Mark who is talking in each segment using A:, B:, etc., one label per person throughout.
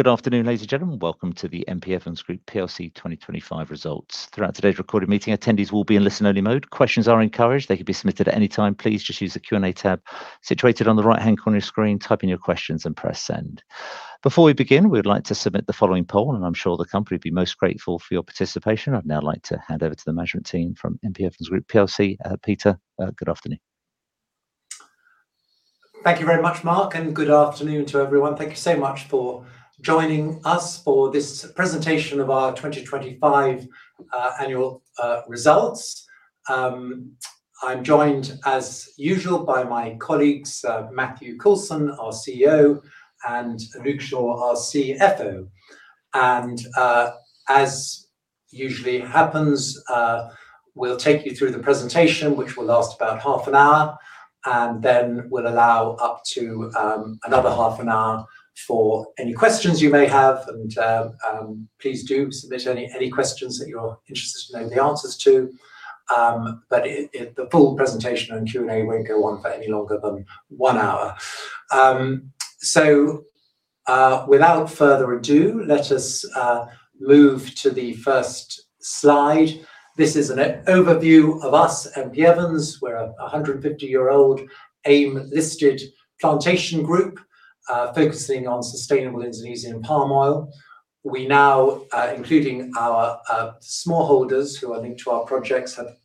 A: Good afternoon, ladies and gentlemen. Welcome to the M.P. Evans Group PLC 2025 results. Throughout today's recorded meeting, attendees will be in listen-only mode. Questions are encouraged. They can be submitted at any time. Please just use the Q&A tab situated on the right-hand corner of your screen, type in your questions and press Send. Before we begin, we would like to submit the following poll, and I'm sure the company will be most grateful for your participation. I'd now like to hand over to the management team from M.P. Evans Group PLC. Peter, good afternoon.
B: Thank you very much, Mark, and good afternoon to everyone. Thank you so much for joining us for this presentation of our 2025 annual results. I'm joined as usual by my colleagues, Matthew Coulson, our CEO, and Luke Shaw, our CFO. As it usually happens, we'll take you through the presentation, which will last about half an hour, and then we'll allow up to another half an hour for any questions you may have. Please do submit any questions that you're interested to know the answers to. The full presentation and Q&A won't go on for any longer than one hour. Without further ado, let us move to the first slide. This is an overview of us, M.P. Evans. We're a 150-year-old AIM-listed plantation group, focusing on sustainable Indonesian palm oil. We now, including our smallholders who are linked to our projects, have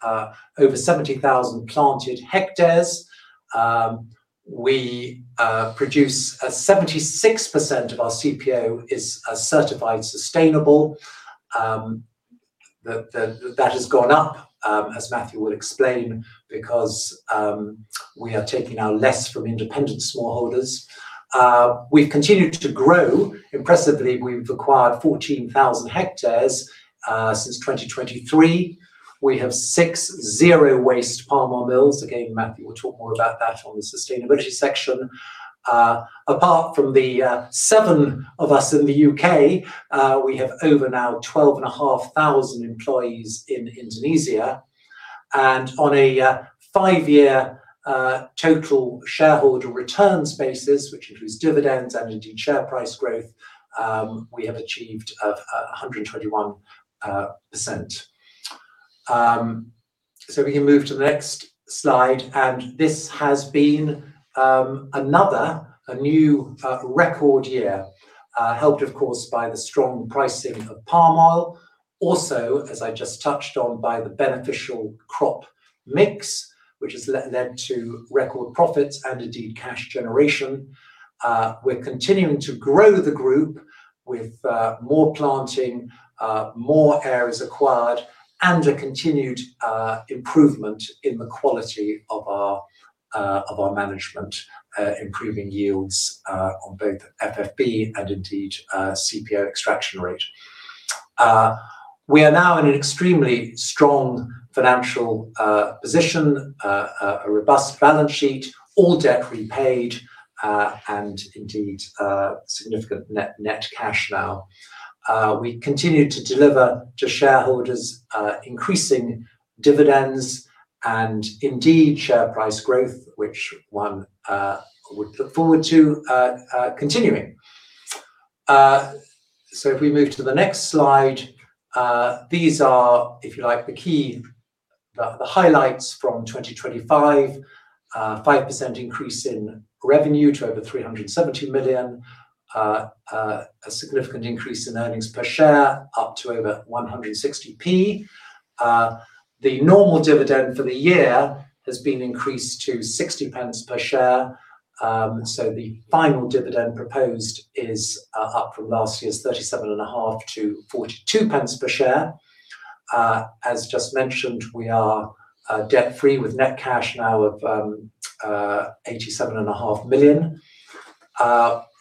B: over 70,000 planted hectares. 76% of our CPO is certified sustainable. That has gone up, as Matthew will explain, because we are now taking less from independent smallholders. We've continued to grow impressively. We've acquired 14,000 hectares since 2023. We have six zero-waste palm oil mills. Again, Matthew will talk more about that on the sustainability section. Apart from the seven of us in the U.K., we now have over 12,500 employees in Indonesia. On a five-year total shareholder returns basis, which includes dividends and indeed share price growth, we have achieved 121%. We can move to the next slide, and this has been another new record year, helped of course by the strong pricing of palm oil. Also, as I just touched on, by the beneficial crop mix, which has led to record profits and indeed cash generation. We're continuing to grow the group with more planting, more areas acquired, and a continued improvement in the quality of our management, improving yields on both FFB and indeed CPO extraction rate. We are now in an extremely strong financial position, a robust balance sheet, all debt repaid, and indeed significant net cash now. We continue to deliver to shareholders increasing dividends and indeed share price growth, which one would look forward to continuing. If we move to the next slide, these are, if you like, the key highlights from 2025. 5% increase in revenue to over $370 million. A significant increase in earnings per share, up to over 160p. The normal dividend for the year has been increased to 60 pence per share. The final dividend proposed is up from last year's 37.5 to 42 pence per share. As just mentioned, we are debt-free with net cash now of $87.5 million.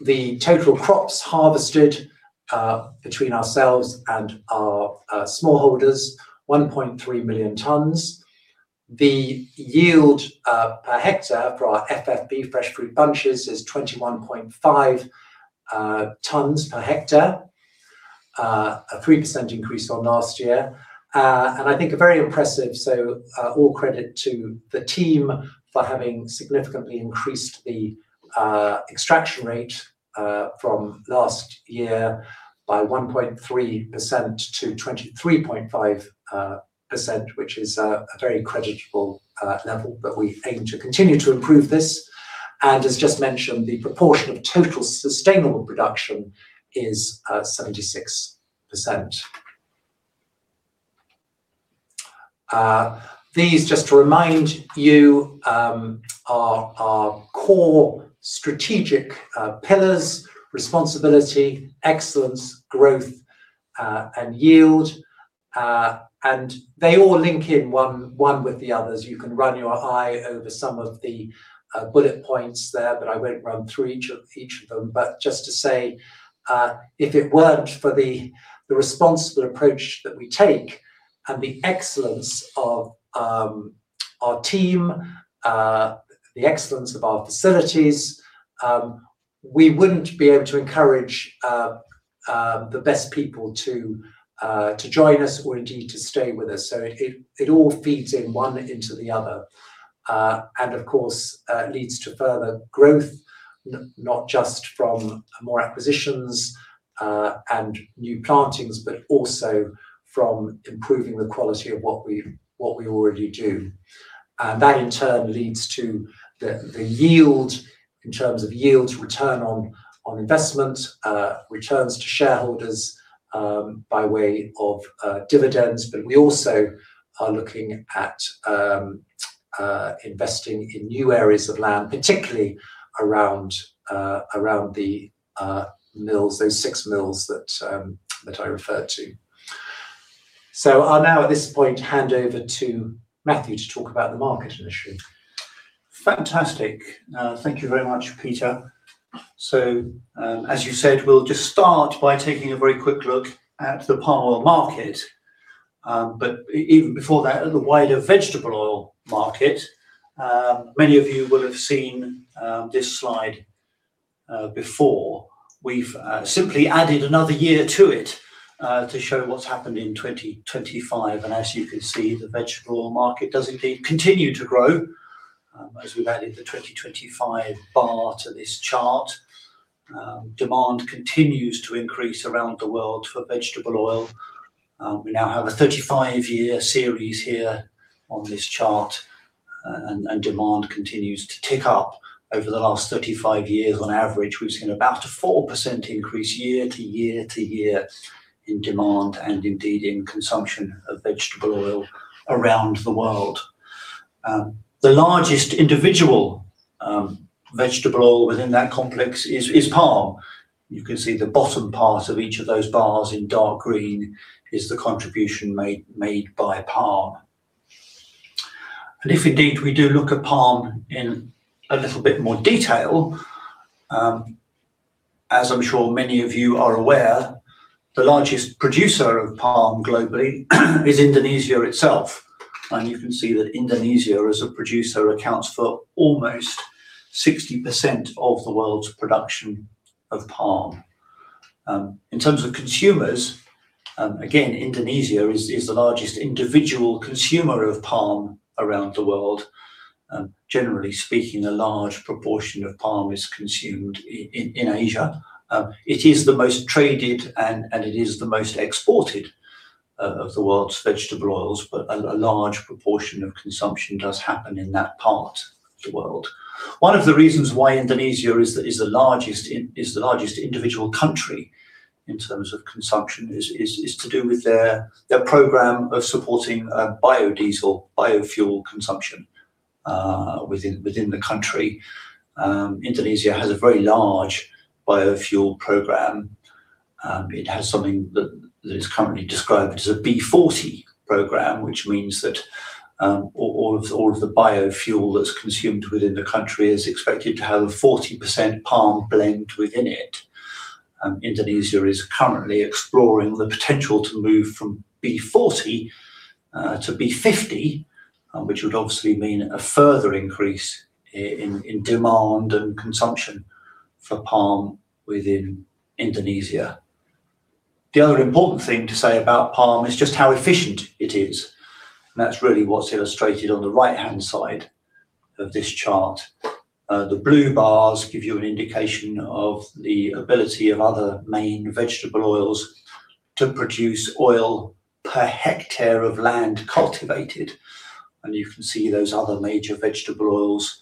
B: The total crops harvested between ourselves and our smallholders, 1.3 million tons. The yield per hectare for our FFB, fresh fruit bunches, is 21.5 tons per hectare, a 3% increase on last year. All credit to the team for having significantly increased the extraction rate from last year by 1.3% to 23.5%, which is a very creditable level that we aim to continue to improve this. As just mentioned, the proportion of total sustainable production is 76%. These, just to remind you, are our core strategic pillars. Responsibility, excellence, growth, and yield. They all link in one with the others. You can run your eye over some of the bullet points there, but I won't run through each of them. Just to say, if it weren't for the responsible approach that we take and the excellence of our team, the excellence of our facilities, we wouldn't be able to encourage the best people to join us or indeed to stay with us. It all feeds in one into the other. Of course, it leads to further growth, not just from more acquisitions and new plantings, but also from improving the quality of what we already do. That in turn leads to the yield in terms of yields, return on investment, returns to shareholders, by way of dividends. We also are looking at investing in new areas of land, particularly around the mills, those six mills that I referred to. I'll now at this point hand over to Matthew to talk about the market initiative.
C: Fantastic. Thank you very much, Peter. As you said, we'll just start by taking a very quick look at the palm oil market. Even before that, at the wider vegetable oil market, many of you will have seen this slide before. We've simply added another year to it to show what's happened in 2025, and as you can see, the vegetable oil market does indeed continue to grow as we've added the 2025 bar to this chart. Demand continues to increase around the world for vegetable oil. We now have a 35-year series here on this chart, and demand continues to tick up. Over the last 35 years on average, we've seen about a 4% increase year to year to year in demand and indeed in consumption of vegetable oil around the world. The largest individual vegetable oil within that complex is palm. You can see the bottom part of each of those bars in dark green is the contribution made by palm. If indeed we do look at palm in a little bit more detail, as I'm sure many of you are aware, the largest producer of palm globally is Indonesia itself, and you can see that Indonesia as a producer accounts for almost 60% of the world's production of palm. In terms of consumers, again, Indonesia is the largest individual consumer of palm around the world. Generally speaking, a large proportion of palm is consumed in Asia. It is the most traded and it is the most exported of the world's vegetable oils, but a large proportion of consumption does happen in that part of the world. One of the reasons why Indonesia is the largest individual country in terms of consumption is to do with their program of supporting biodiesel, biofuel consumption within the country. Indonesia has a very large biofuel program. It has something that is currently described as a B40 program, which means that all of the biofuel that's consumed within the country is expected to have a 40% palm blend within it. Indonesia is currently exploring the potential to move from B40 to B50, which would obviously mean a further increase in demand and consumption for palm within Indonesia. The other important thing to say about palm is just how efficient it is, and that's really what's illustrated on the right-hand side of this chart. The blue bars give you an indication of the ability of other main vegetable oils to produce oil per hectare of land cultivated. You can see those other major vegetable oils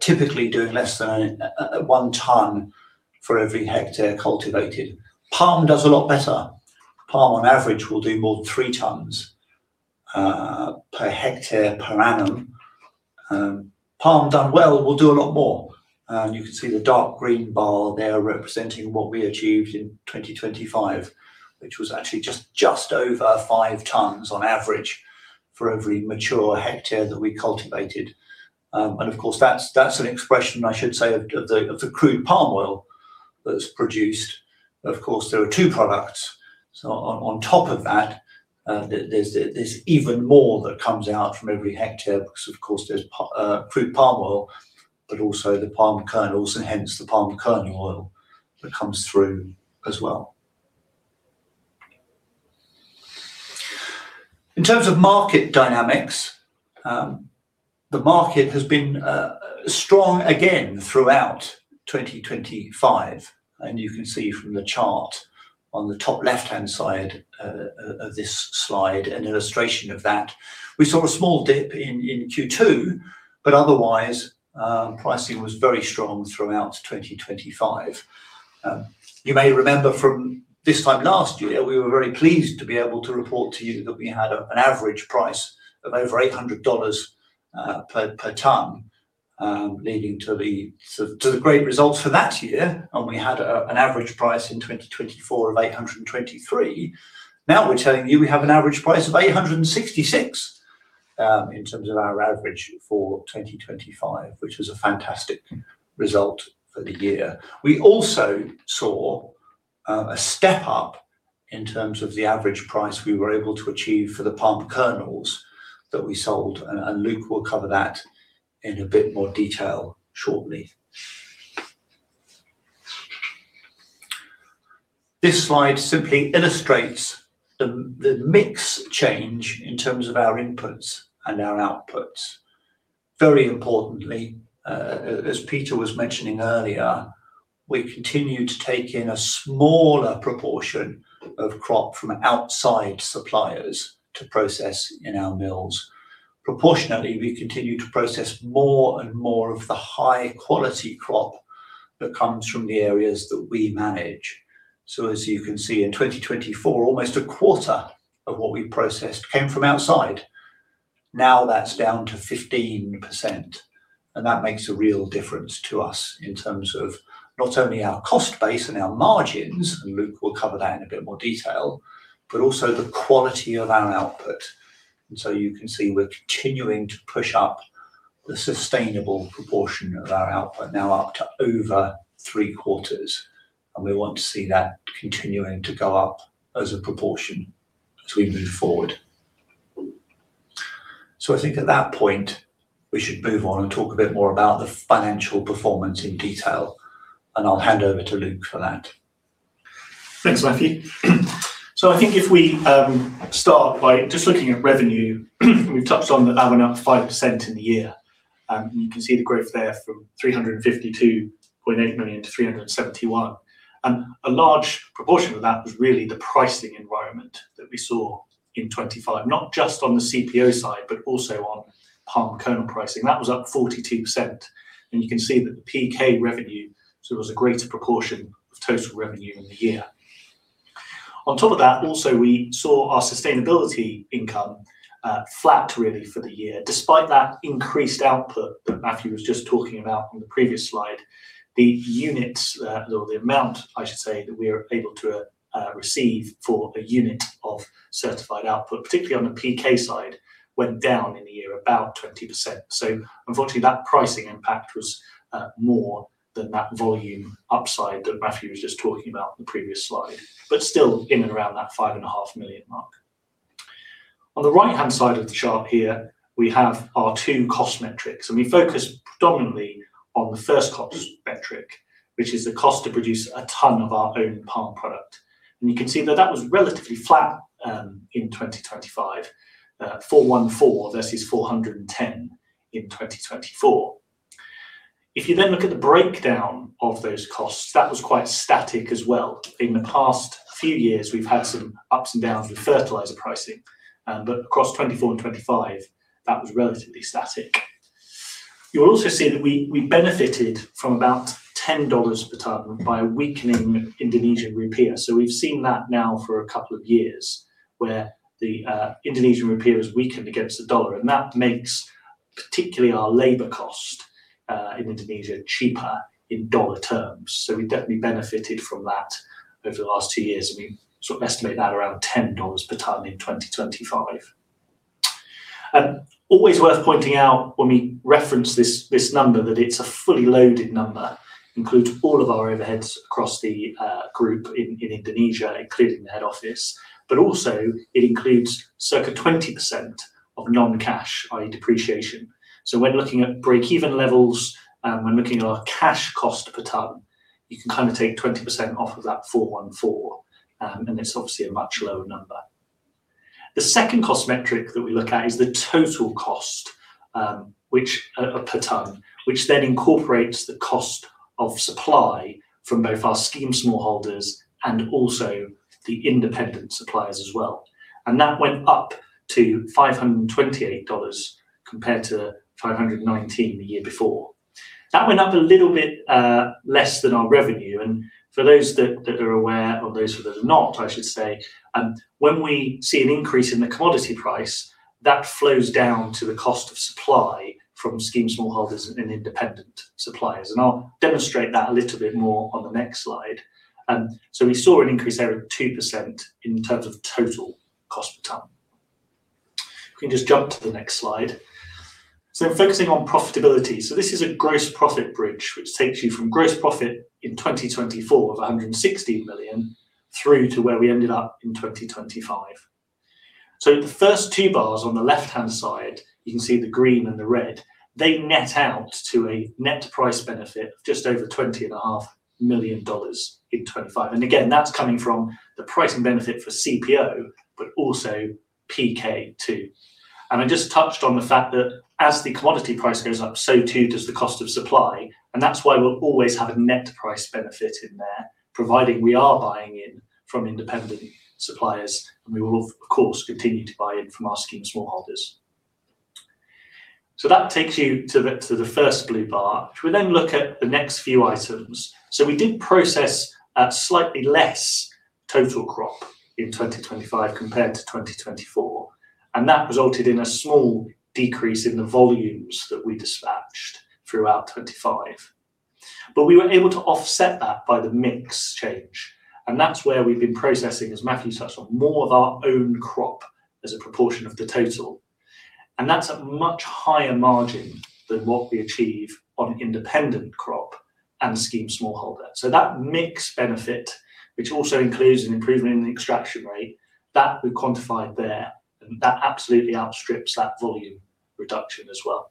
C: typically doing less than one tonne for every hectare cultivated. Palm does a lot better. Palm on average will do more than three tonnes per hectare per annum. Palm done well will do a lot more. You can see the dark green bar there representing what we achieved in 2025, which was actually just over 5 tonnes on average for every mature hectare that we cultivated. Of course, that's an expression, I should say, of the crude palm oil that's produced. Of course, there are two products. On top of that, there's even more that comes out from every hectare because, of course, there's crude palm oil, but also the palm kernels and hence the palm kernel oil that comes through as well. In terms of market dynamics, the market has been strong again throughout 2025. You can see from the chart on the top left-hand side of this slide an illustration of that. We saw a small dip in Q2, but otherwise, pricing was very strong throughout 2025. You may remember from this time last year, we were very pleased to be able to report to you that we had an average price of over $800 per tonne, leading to the great results for that year, and we had an average price in 2024 of $823. Now we're telling you we have an average price of $866 in terms of our average for 2025, which was a fantastic result for the year. We also saw a step up in terms of the average price we were able to achieve for the palm kernels that we sold, and Luke will cover that in a bit more detail shortly. This slide simply illustrates the mix change in terms of our inputs and our outputs. Very importantly, as Peter was mentioning earlier, we continue to take in a smaller proportion of crop from outside suppliers to process in our mills. Proportionally, we continue to process more and more of the high quality crop that comes from the areas that we manage. As you can see, in 2024, almost a quarter of what we processed came from outside. Now, that's down to 15%, and that makes a real difference to us in terms of not only our cost base and our margins, and Luke will cover that in a bit more detail, but also the quality of our output. You can see we're continuing to push up the sustainable proportion of our output now up to over three-quarters, and we want to see that continuing to go up as a proportion as we move forward. I think at that point, we should move on and talk a bit more about the financial performance in detail, and I'll hand over to Luke for that.
D: Thanks, Matthew. I think if we start by just looking at revenue, we've touched on that went up 5% in the year, and you can see the growth there from $352.8 million to $371 million. A large proportion of that was really the pricing environment that we saw in 2025, not just on the CPO side, but also on palm kernel pricing. That was up 42%, and you can see that the PK revenue, so it was a greater proportion of total revenue in the year. On top of that, also we saw our sustainability income flat really for the year. Despite that increased output that Matthew was just talking about on the previous slide, the units, or the amount I should say, that we are able to receive for a unit of certified output, particularly on the PK side, went down in the year about 20%. Unfortunately, that pricing impact was more than that volume upside that Matthew was just talking about in the previous slide, but still in and around that $5.5 million mark. On the right-hand side of the chart here, we have our two cost metrics, and we focus predominantly on the first cost metric, which is the cost to produce a ton of our own palm product. You can see that that was relatively flat in 2025, $414 versus $410 in 2024. If you then look at the breakdown of those costs, that was quite static as well. In the past few years, we've had some ups and downs with fertilizer pricing, but across 2024 and 2025, that was relatively static. You will also see that we benefited from about $10 per ton by a weakening Indonesian rupiah. We've seen that now for a couple of years, where the Indonesian rupiah has weakened against the dollar, and that makes particularly our labor cost in Indonesia cheaper in dollar terms. We benefited from that over the last two years, and we sort of estimate that around $10 per ton in 2025. Always worth pointing out when we reference this number that it's a fully loaded number, includes all of our overheads across the group in Indonesia, including the head office. Also it includes circa 20% of non-cash, i.e. depreciation. When looking at our cash cost per ton, you can kind of take 20% off of that $414, and it's obviously a much lower number. The second cost metric that we look at is the total cost, which per ton, which then incorporates the cost of supply from both our scheme smallholders and also the independent suppliers as well. That went up to $528 compared to $519 the year before. That went up a little bit less than our revenue. For those that are aware, or those that are not, I should say, when we see an increase in the commodity price, that flows down to the cost of supply from scheme smallholders and independent suppliers, and I'll demonstrate that a little bit more on the next slide. We saw an increase there of 2% in terms of total cost per ton. We can just jump to the next slide. Focusing on profitability, this is a gross profit bridge, which takes you from gross profit in 2024 of $160 million through to where we ended up in 2025. The first two bars on the left-hand side, you can see the green and the red, they net out to a net price benefit of just over $20.5 million in 2025. Again, that's coming from the pricing benefit for CPO, but also PK too. I just touched on the fact that as the commodity price goes up, so too does the cost of supply, and that's why we'll always have a net price benefit in there, providing we are buying in from independent suppliers, and we will, of course, continue to buy in from our scheme smallholders. That takes you to the first blue bar. Shall we then look at the next few items? We did process a slightly less total crop in 2025 compared to 2024, and that resulted in a small decrease in the volumes that we dispatched throughout 2025. We were able to offset that by the mix change, and that's where we've been processing, as Matthew touched on, more of our own crop as a proportion of the total. That's a much higher margin than what we achieve on independent crop and the scheme smallholder. That mix benefit, which also includes an improvement in the extraction rate, that we've quantified there, and that absolutely outstrips that volume reduction as well.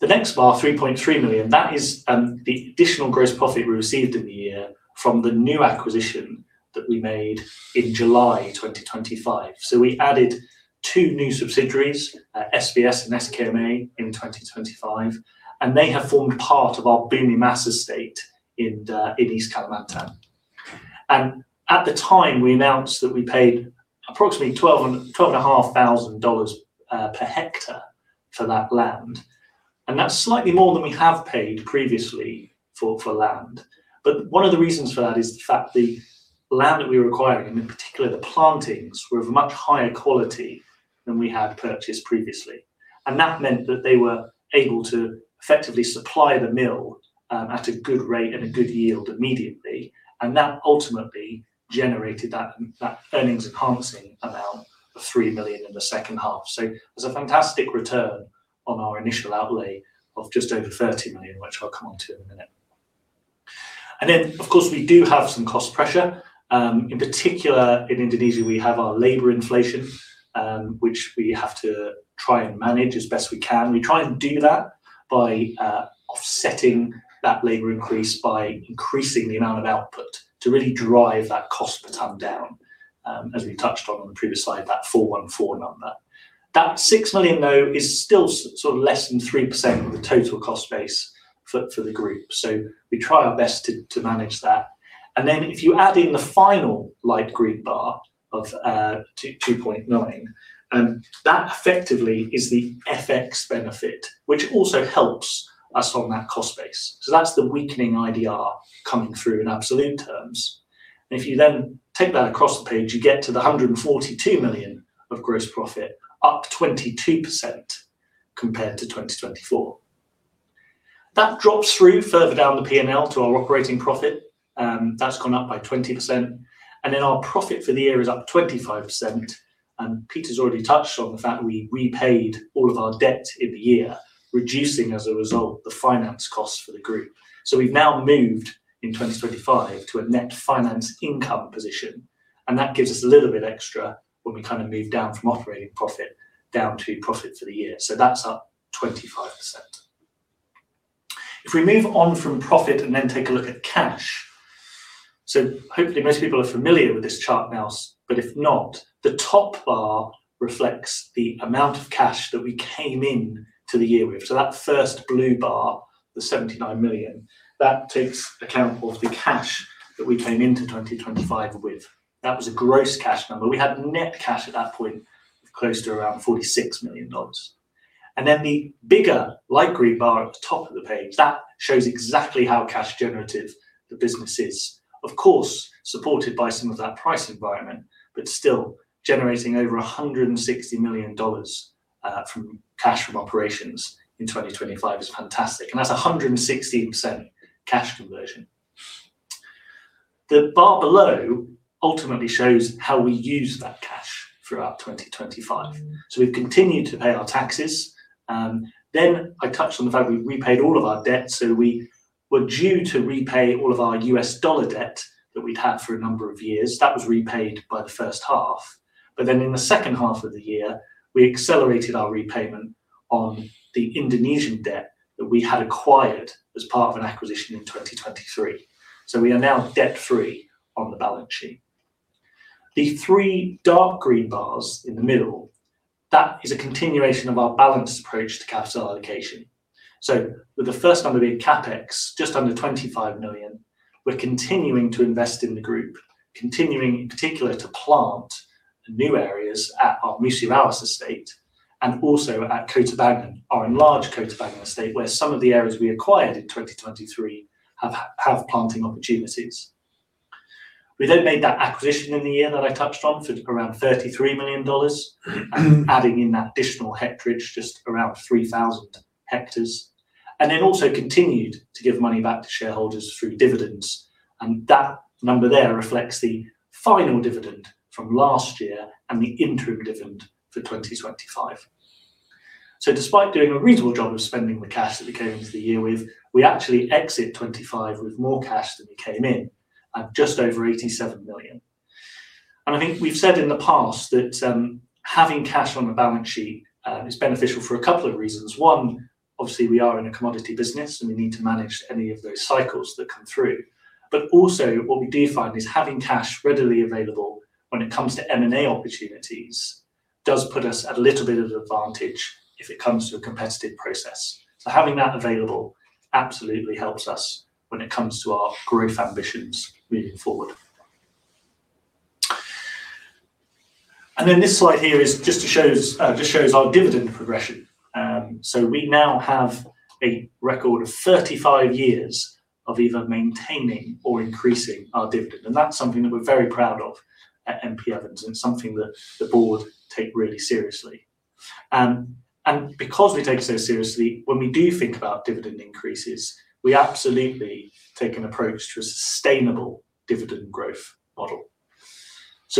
D: The next bar, $3.3 million, that is the additional gross profit we received in the year from the new acquisition that we made in July 2025. We added two new subsidiaries, SBS and SKMA, in 2025, and they have formed part of our Bumi Mas estate in East Kalimantan. At the time, we announced that we paid approximately $12,500 per hectare for that land. That's slightly more than we have paid previously for land. One of the reasons for that is the fact the land that we were acquiring, and in particular the plantings, were of a much higher quality than we had purchased previously. That meant that they were able to effectively supply the mill at a good rate and a good yield immediately. That ultimately generated that earnings enhancing amount of 3 million in the second half. It was a fantastic return on our initial outlay of just over 30 million, which I'll come onto in a minute. Of course, we do have some cost pressure. In particular in Indonesia, we have our labor inflation, which we have to try and manage as best we can. We try and do that by offsetting that labor increase by increasing the amount of output to really drive that cost per ton down, as we touched on the previous slide, that $414 number. That $6 million, though, is still sort of less than 3% of the total cost base for the group. We try our best to manage that. If you add in the final light green bar of 2.9, that effectively is the FX benefit, which also helps us on that cost base. That's the weakening IDR coming through in absolute terms. If you then take that across the page, you get to the $142 million of gross profit, up 22% compared to 2024. That drops through further down the P&L to our operating profit. That's gone up by 20%. Our profit for the year is up 25%, and Peter's already touched on the fact we repaid all of our debt in the year, reducing as a result the finance costs for the group. We've now moved in 2025 to a net finance income position, and that gives us a little bit extra when we kind of move down from operating profit down to profit for the year. That's up 25%. If we move on from profit and then take a look at cash, hopefully most people are familiar with this chart now, but if not, the top bar reflects the amount of cash that we came in to the year with. That first blue bar, the 79 million, that takes into account the cash that we came into 2025 with. That was a gross cash number. We had net cash at that point close to around $46 million. The bigger light green bar at the top of the page, that shows exactly how cash generative the business is. Of course, supported by some of that price environment, but still generating over $160 million from cash from operations in 2025 is fantastic. That's 116% cash conversion. The bar below ultimately shows how we used that cash throughout 2025. We've continued to pay our taxes. I touched on the fact we repaid all of our debt, so we were due to repay all of our US dollar debt that we'd had for a number of years. That was repaid by the first half. In the second half of the year, we accelerated our repayment on the Indonesian debt that we had acquired as part of an acquisition in 2023. We are now debt-free on the balance sheet. The three dark green bars in the middle, that is a continuation of our balanced approach to capital allocation. With the first number being CapEx, just under $25 million, we're continuing to invest in the group, continuing in particular to plant new areas at our Musi Rawas estate and also at Kota Bangun, our enlarged Kota Bangun estate, where some of the areas we acquired in 2023 have planting opportunities. We made that acquisition in the year that I touched on for around $33 million, adding in that additional hectarage, just around 3,000 hectares, and also continued to give money back to shareholders through dividends. That number there reflects the final dividend from last year and the interim dividend for 2025. Despite doing a reasonable job of spending the cash that we came into the year with, we actually exit 2025 with more cash than we came in at just over $87 million. I think we've said in the past that having cash on the balance sheet is beneficial for a couple of reasons. One, obviously, we are in a commodity business, and we need to manage any of those cycles that come through. But also, what we do find is having cash readily available when it comes to M&A opportunities does put us at a little bit of advantage if it comes to a competitive process. Having that available absolutely helps us when it comes to our growth ambitions moving forward. This slide here just shows our dividend progression. We now have a record of 35 years of either maintaining or increasing our dividend. That's something that we're very proud of at MP Evans and something that the board take really seriously. Because we take it so seriously, when we do think about dividend increases, we absolutely take an approach to a sustainable dividend growth model.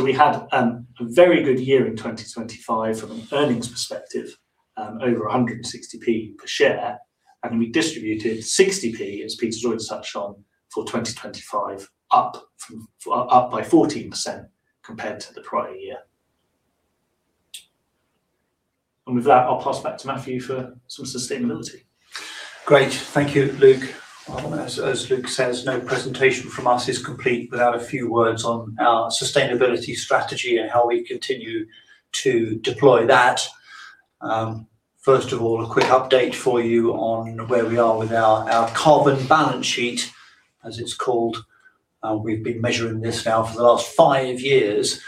D: We had a very good year in 2025 from an earnings perspective, over 160p per share, and we distributed 60p as Peter's already touched on for 2025, up by 14% compared to the prior year. With that, I'll pass back to Matthew for some sustainability.
C: Great. Thank you, Luke. As Luke says, no presentation from us is complete without a few words on our sustainability strategy and how we continue to deploy that. First of all, a quick update for you on where we are with our carbon balance sheet, as it's called. We've been measuring this now for the last five years.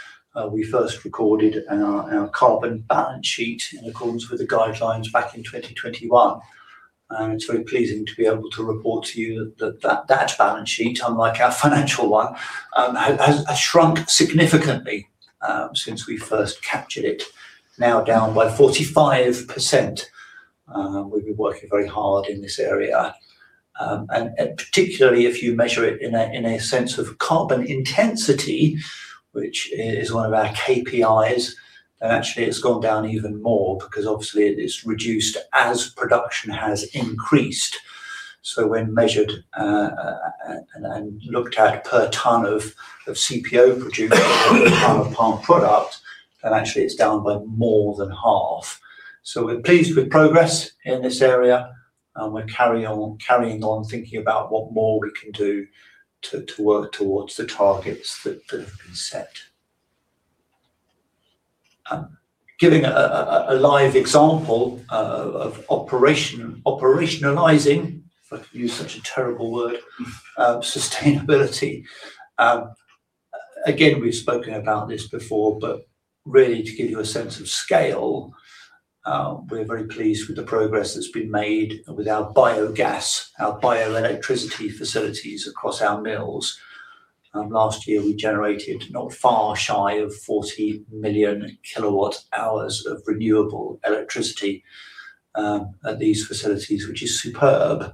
C: We first recorded our carbon balance sheet in accordance with the guidelines back in 2021. It's very pleasing to be able to report to you that that balance sheet, unlike our financial one, has shrunk significantly since we first captured it, now down by 45%. We've been working very hard in this area. Particularly if you measure it in a sense of carbon intensity, which is one of our KPIs, then actually it's gone down even more because obviously it's reduced as production has increased. When measured and looked at per ton of CPO produced palm product, then actually it's down by more than half. We're pleased with progress in this area, and we're carrying on thinking about what more we can do to work towards the targets that have been set. Giving a live example of operationalizing, if I can use such a terrible word, sustainability. Again, we've spoken about this before, but really to give you a sense of scale, we're very pleased with the progress that's been made with our biogas, our bioelectricity facilities across our mills. Last year we generated not far shy of 40 million kWh of renewable electricity at these facilities, which is superb.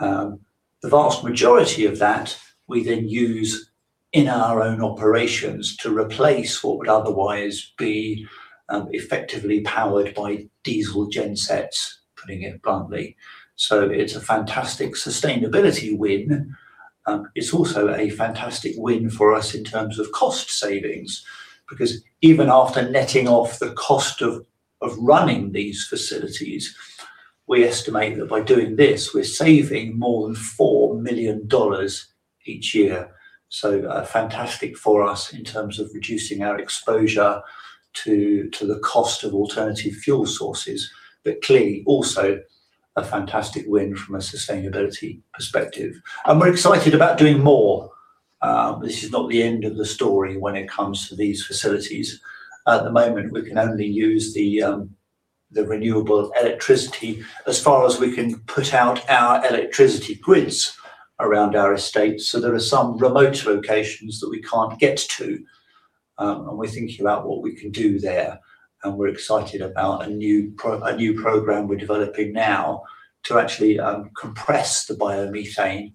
C: The vast majority of that we then use in our own operations to replace what would otherwise be effectively powered by diesel gen sets, putting it bluntly. It's a fantastic sustainability win. It's also a fantastic win for us in terms of cost savings, because even after netting off the cost of running these facilities, we estimate that by doing this, we're saving more than $4 million each year. Fantastic for us in terms of reducing our exposure to the cost of alternative fuel sources. Clearly, also a fantastic win from a sustainability perspective. We're excited about doing more. This is not the end of the story when it comes to these facilities. At the moment, we can only use the renewable electricity as far as we can put out our electricity grids around our estates. There are some remote locations that we can't get to, and we're thinking about what we can do there. We're excited about a new program we're developing now to actually compress the biomethane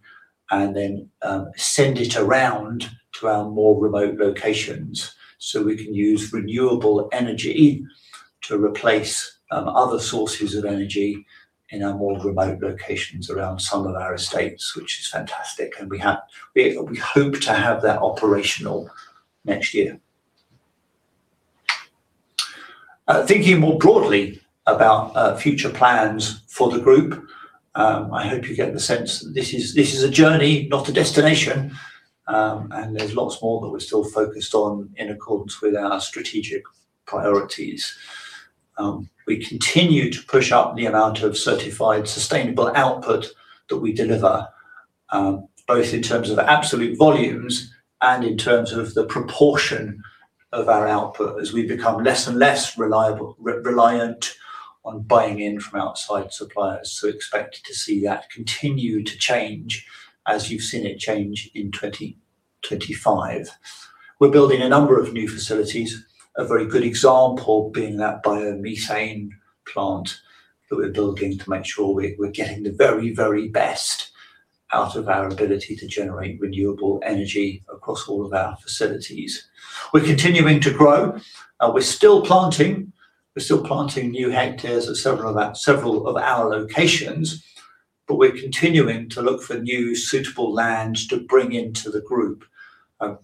C: and then send it around to our more remote locations, so we can use renewable energy to replace other sources of energy in our more remote locations around some of our estates, which is fantastic. We hope to have that operational next year. Thinking more broadly about future plans for the group, I hope you get the sense that this is a journey, not a destination. There's lots more that we're still focused on in accordance with our strategic priorities. We continue to push up the amount of certified sustainable output that we deliver, both in terms of absolute volumes and in terms of the proportion of our output as we become less and less reliant on buying in from outside suppliers. Expect to see that continue to change as you've seen it change in 2025. We're building a number of new facilities, a very good example being that biomethane plant that we're building to make sure we're getting the very, very best out of our ability to generate renewable energy across all of our facilities. We're continuing to grow. We're still planting. We're still planting new hectares at several of our locations, but we're continuing to look for new suitable lands to bring into the group,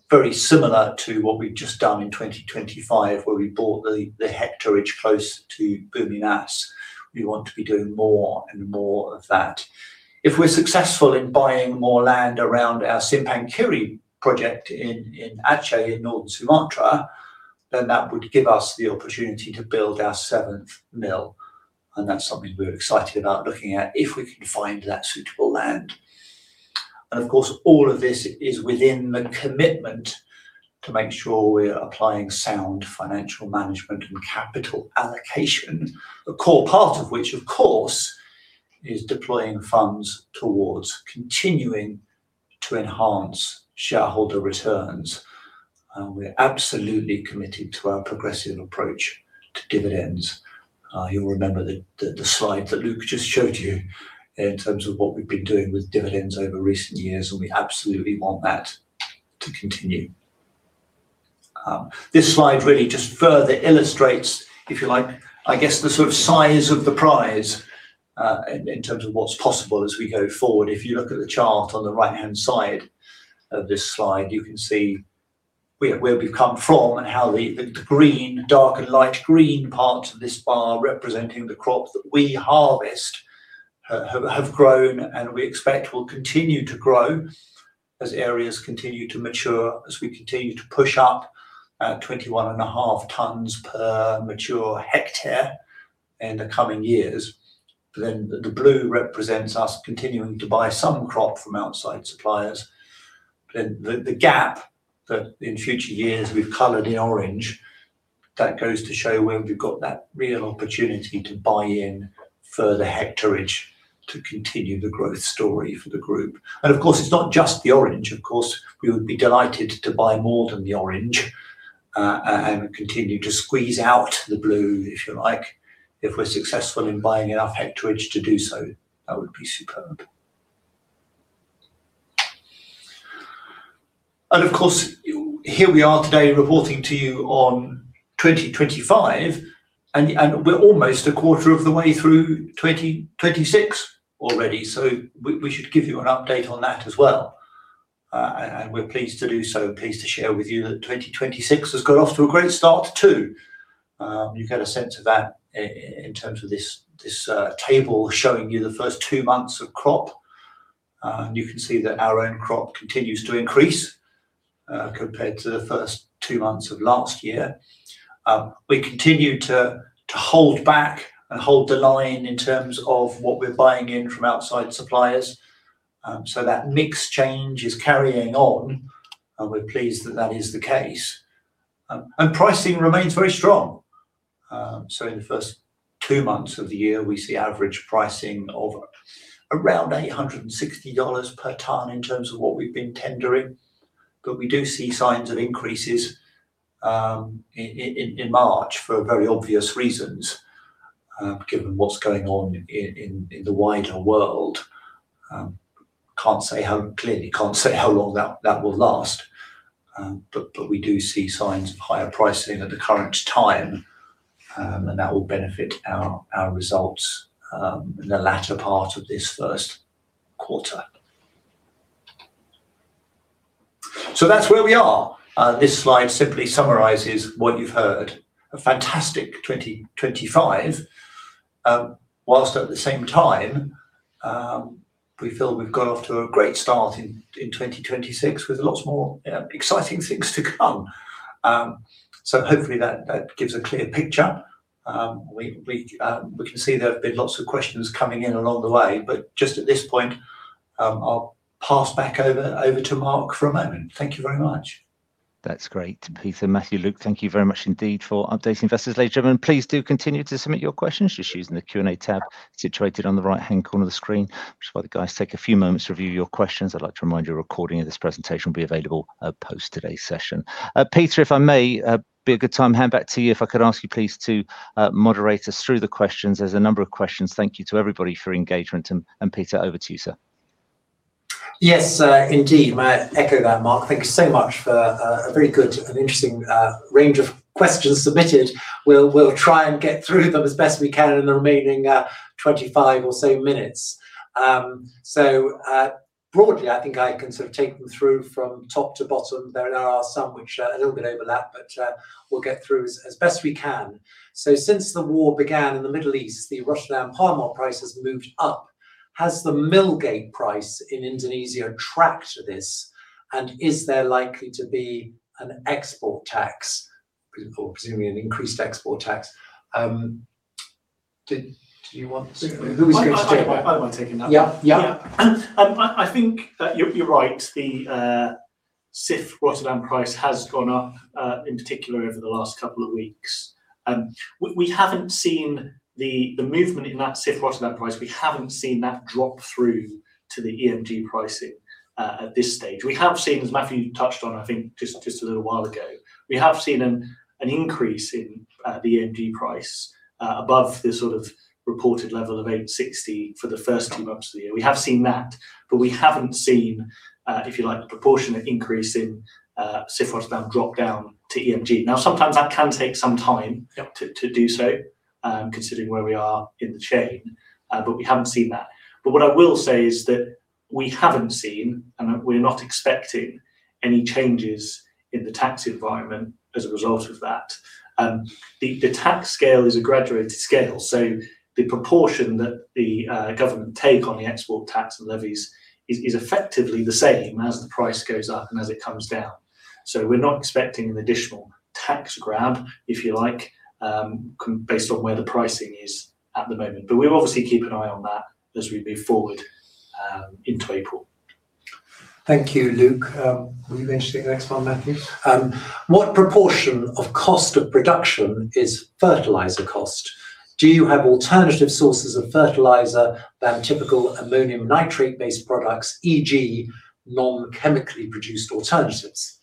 C: very similar to what we've just done in 2025, where we bought the hectareage close to Bumi Mas. We want to be doing more and more of that. If we're successful in buying more land around our Simpang Kiri project in Aceh in North Sumatra, then that would give us the opportunity to build our seventh mill, and that's something we're excited about looking at if we can find that suitable land. Of course, all of this is within the commitment to make sure we are applying sound financial management and capital allocation, a core part of which, of course, is deploying funds towards continuing to enhance shareholder returns. We're absolutely committed to our progressive approach to dividends. You'll remember that the slide that Luke just showed you in terms of what we've been doing with dividends over recent years, and we absolutely want that to continue. This slide really just further illustrates, if you like, I guess, the sort of size of the prize in terms of what's possible as we go forward. If you look at the chart on the right-hand side of this slide, you can see where we've come from and how the green, dark and light green parts of this bar representing the crop that we harvest have grown and we expect will continue to grow as areas continue to mature, as we continue to push up at 21.5 tons per mature hectare in the coming years. The blue represents us continuing to buy some crop from outside suppliers. The gap that in future years we've colored in orange goes to show where we've got that real opportunity to buy in further hectarage to continue the growth story for the group. Of course, it's not just the orange, of course. We would be delighted to buy more than the orange and continue to squeeze out the blue if you like. If we're successful in buying enough hectarage to do so, that would be superb. Of course, here we are today reporting to you on 2025 and we're almost a quarter of the way through 2026 already. We should give you an update on that as well. We're pleased to do so, pleased to share with you that 2026 has got off to a great start too. You get a sense of that in terms of this table showing you the first two months of crop. You can see that our own crop continues to increase compared to the first two months of last year. We continue to hold back and hold the line in terms of what we're buying in from outside suppliers. That mix change is carrying on, and we're pleased that that is the case. Pricing remains very strong. In the first two months of the year, we see average pricing of around $860 per ton in terms of what we've been tendering, but we do see signs of increases in March for very obvious reasons given what's going on in the wider world. Can't say how. Clearly can't say how long that will last. But we do see signs of higher pricing at the current time, and that will benefit our results in the latter part of this first quarter. That's where we are. This slide simply summarizes what you've heard, a fantastic 2025, while at the same time, we feel we've got off to a great start in 2026 with lots more exciting things to come. Hopefully that gives a clear picture. We can see there have been lots of questions coming in along the way, but just at this point, I'll pass back over to Mark for a moment. Thank you very much.
A: That's great. Peter, Matthew, Luke, thank you very much indeed for updating investors today. Gentlemen, please do continue to submit your questions just using the Q&A tab situated on the right-hand corner of the screen. Just while the guys take a few moments to review your questions, I'd like to remind you a recording of this presentation will be available post today's session. Peter, if I may, is it a good time to hand back to you? If I could ask you please to moderate us through the questions. There's a number of questions. Thank you to everybody for engagement and Peter, over to you, sir.
B: Yes, indeed. I echo that, Mark. Thank you so much for a very good and interesting range of questions submitted. We'll try and get through them as best we can in the remaining 25 or so minutes. Broadly, I think I can sort of take them through from top to bottom. There are some which a little bit overlap, but we'll get through as best we can. Since the war began in the Middle East, the Rotterdam palm oil price has moved up. Has the mill gate price in Indonesia tracked this, and is there likely to be an export tax, presumably an increased export tax? Who is going to take that?
C: I won't take that.
B: Yeah. Yeah.
D: Yeah. I think you're right. The CIF Rotterdam price has gone up in particular over the last couple of weeks. We haven't seen the movement in that CIF Rotterdam price. We haven't seen that drop through to the MPE pricing at this stage. We have seen, as Matthew touched on, I think just a little while ago, we have seen an increase in the MPE price above the sort of reported level of $860 for the first two months of the year. We have seen that, but we haven't seen, if you like, the proportionate increase in CIF Rotterdam drop down to MPE. Now, sometimes that can take some time.
B: Yep.
D: To do so, considering where we are in the chain, but we haven't seen that. What I will say is that we haven't seen, and we're not expecting any changes in the tax environment as a result of that. The tax scale is a graduated scale, so the proportion that the government take on the export tax and levies is effectively the same as the price goes up and as it comes down. We're not expecting an additional tax grab, if you like, based on where the pricing is at the moment. We'll obviously keep an eye on that as we move forward, into April.
B: Thank you, Luke. Will you mention the next one, Matthew? What proportion of cost of production is fertilizer cost? Do you have alternative sources of fertilizer than typical ammonium nitrate-based products, e.g., non-chemically produced alternatives?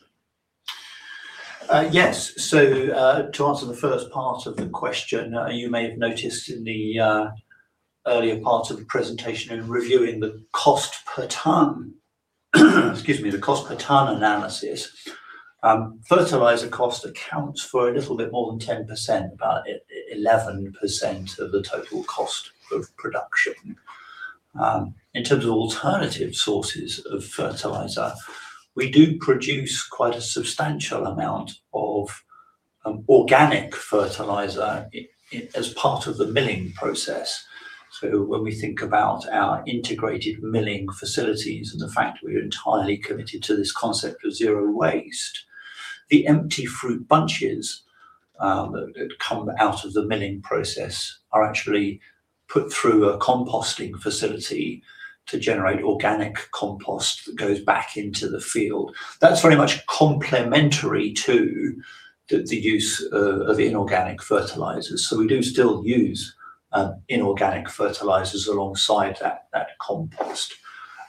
C: Yes. To answer the first part of the question, you may have noticed in the earlier parts of the presentation in reviewing the cost per ton, excuse me, the cost per ton analysis, fertilizer cost accounts for a little bit more than 10%, about 11% of the total cost of production. In terms of alternative sources of fertilizer, we do produce quite a substantial amount of organic fertilizer as part of the milling process. When we think about our integrated milling facilities, and the fact we're entirely committed to this concept of zero waste, the empty fruit bunches that come out of the milling process are actually put through a composting facility to generate organic compost that goes back into the field. That's very much complementary to the use of inorganic fertilizers. We do still use inorganic fertilizers alongside that compost.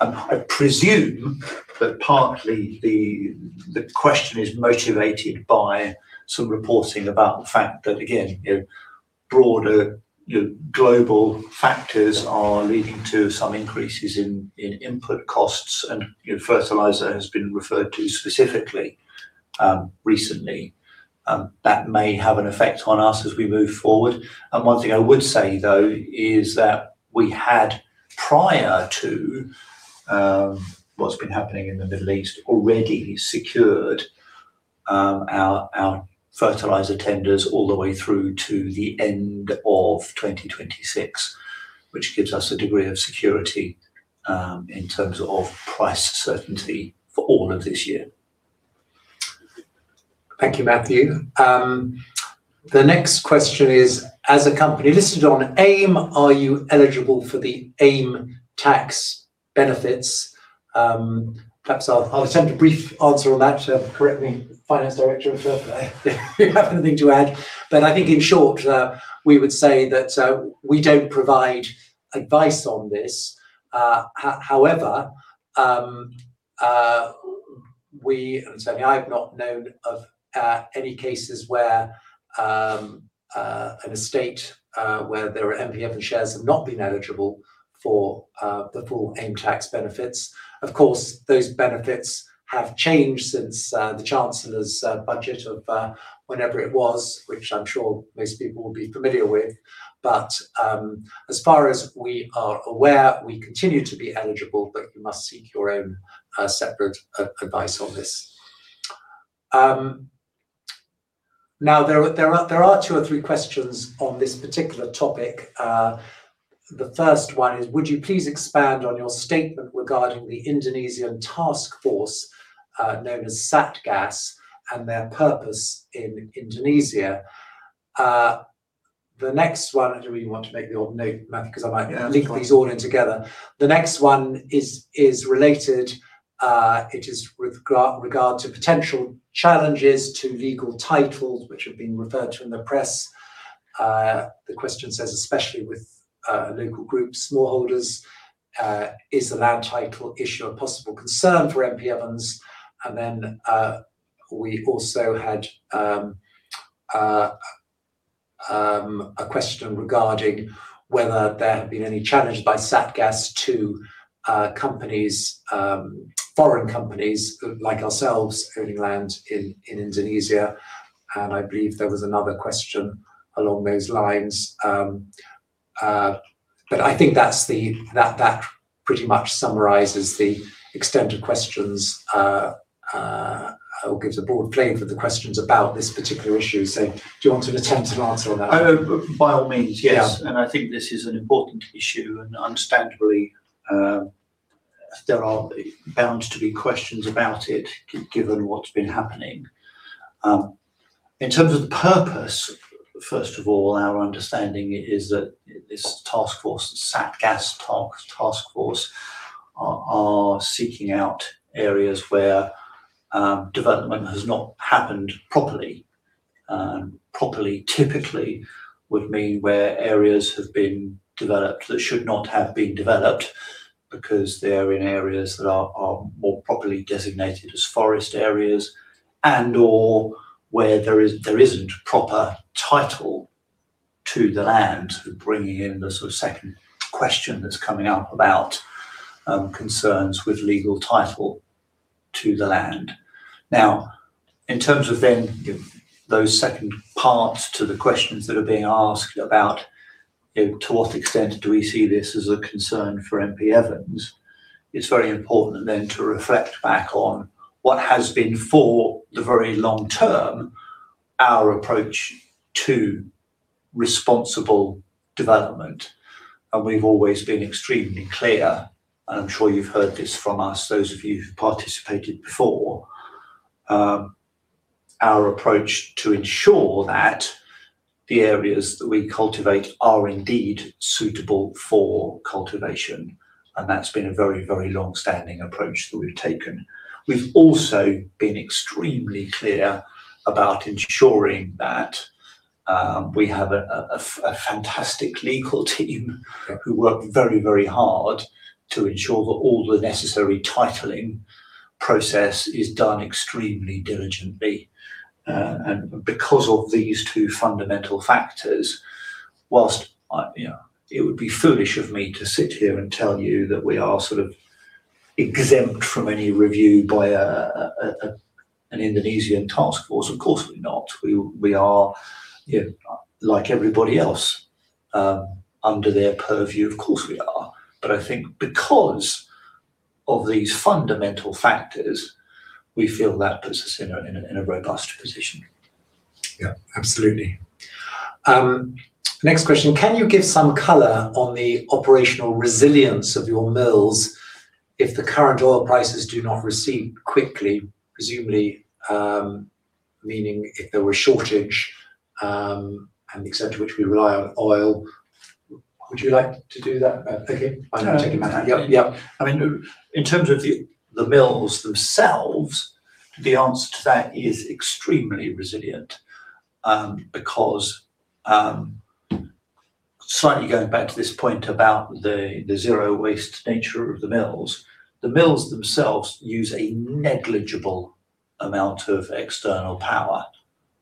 C: I presume that partly the question is motivated by some reporting about the fact that, again, you know, broader, you know, global factors are leading to some increases in input costs, and, you know, fertilizer has been referred to specifically, recently. That may have an effect on us as we move forward. One thing I would say, though, is that we had, prior to what's been happening in the Middle East, already secured our fertilizer tenders all the way through to the end of 2026, which gives us a degree of security in terms of price certainty for all of this year.
B: Thank you, Matthew. The next question is, as a company listed on AIM, are you eligible for the AIM tax benefits? Perhaps I'll attempt a brief answer on that. Correct me, finance director, if you have anything to add. I think in short, we would say that, we don't provide advice on this. However, certainly I've not known of any cases where there are MPE shares have not been eligible for the full AIM tax benefits. Of course, those benefits have changed since the Chancellor's budget of whenever it was, which I'm sure most people will be familiar with. As far as we are aware, we continue to be eligible, but you must seek your own separate advice on this. Now there are two or three questions on this particular topic. The first one is, would you please expand on your statement regarding the Indonesian task force known as Satgas and their purpose in Indonesia? The next one, No, Matthew, 'cause I might link these all in together.
C: Yeah, that's fine.
B: The next one is related. It is with regard to potential challenges to legal titles which have been referred to in the press. The question says, especially with local groups, smallholders, is the land title issue a possible concern for M.P. Evans? Then, we also had a question regarding whether there have been any challenges by Satgas to companies, foreign companies like ourselves owning land in Indonesia. I believe there was another question along those lines. I think that pretty much summarizes the extent of questions or gives a broad flavor for the questions about this particular issue. Do you want to attempt an answer on that?
C: Oh, by all means, yes.
B: Yeah.
C: I think this is an important issue, and understandably, there are bound to be questions about it given what's been happening. In terms of the purpose, first of all, our understanding is that this task force, Satgas Task Force, are seeking out areas where development has not happened properly. Properly typically would mean where areas have been developed that should not have been developed because they're in areas that are more properly designated as forest areas and/or where there isn't proper title to the land, bringing in the sort of second question that's coming up about concerns with legal title to the land. Now, in terms of then, you know, those second parts to the questions that are being asked about, you know, to what extent do we see this as a concern for M.P. Evans, it's very important then to reflect back on what has been for the very long term our approach to responsible development. We've always been extremely clear, and I'm sure you've heard this from us, those of you who've participated before, our approach to ensure that the areas that we cultivate are indeed suitable for cultivation. That's been a very, very long-standing approach that we've taken. We've also been extremely clear about ensuring we have a fantastic legal team who work very, very hard to ensure that all the necessary titling process is done extremely diligently. Because of these two fundamental factors, whilst I, you know, it would be foolish of me to sit here and tell you that we are sort of exempt from any review by an Indonesian Task Force, of course we're not. We are, you know, like everybody else, under their purview, of course we are. I think because of these fundamental factors, we feel that puts us in a robust position.
B: Yeah, absolutely. Next question, can you give some color on the operational resilience of your mills if the current oil prices do not recede quickly? Presumably, meaning if there were a shortage, and the extent to which we rely on oil. Would you like to do that, Matthew?
C: No, I can take it, Matt.
B: Yep, yep.
C: I mean, in terms of the mills themselves, the answer to that is extremely resilient, because slightly going back to this point about the zero waste nature of the mills, the mills themselves use a negligible amount of external power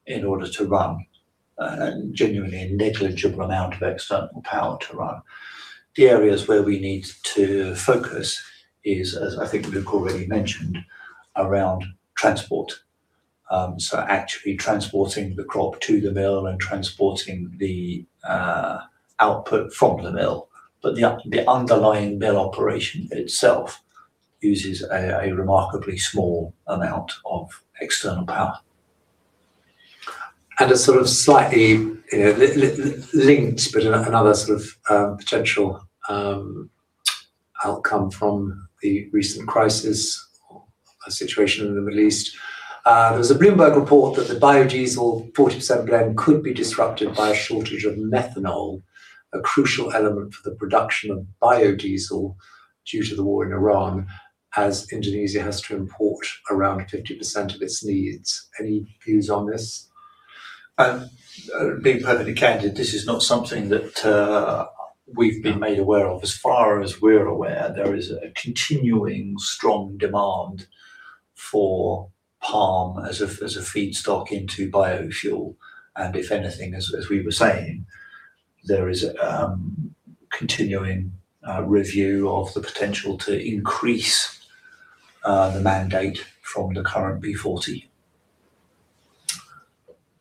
C: in order to run, genuinely a negligible amount of external power to run. The areas where we need to focus is, as I think Luke already mentioned, around transport, actually transporting the crop to the mill and transporting the output from the mill. The underlying mill operation itself uses a remarkably small amount of external power.
B: A sort of slightly, you know, linked but another sort of potential outcome from the recent crisis or situation in the Middle East. There was a Bloomberg report that the biodiesel 40% blend could be disrupted by a shortage of methanol, a crucial element for the production of biodiesel due to the war in Iran as Indonesia has to import around 50% of its needs. Any views on this?
C: Being perfectly candid, this is not something that we've been made aware of. As far as we're aware, there is a continuing strong demand for palm as a feedstock into biofuel, and if anything, as we were saying, there is continuing review of the potential to increase the mandate from the current B40.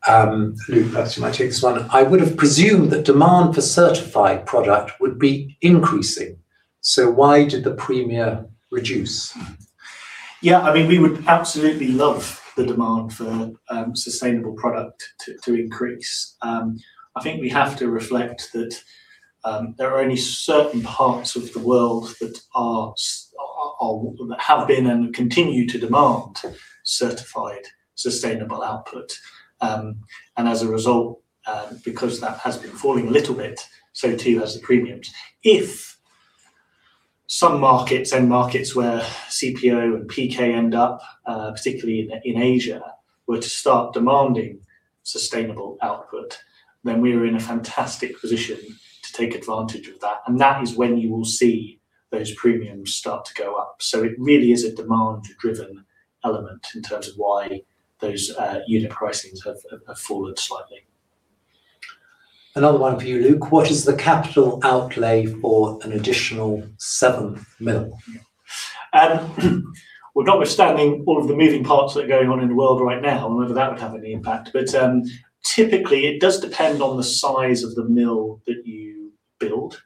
B: Luke, perhaps you might take this one. I would have presumed that demand for certified product would be increasing, so why did the premium reduce?
D: Yeah, I mean, we would absolutely love the demand for sustainable product to increase. I think we have to reflect that there are only certain parts of the world that have been and continue to demand certified sustainable output. As a result, because that has been falling a little bit, so too has the premiums. If some markets, end markets where CPO and PK end up, particularly in Asia, were to start demanding sustainable output, then we are in a fantastic position to take advantage of that, and that is when you will see those premiums start to go up. It really is a demand driven element in terms of why those unit pricings have fallen slightly.
B: Another one for you, Luke. What is the capital outlay for an additional seventh mill?
D: Well notwithstanding all of the moving parts that are going on in the world right now and whether that would have any impact, but typically it does depend on the size of the mill that you build.